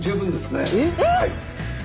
えっ！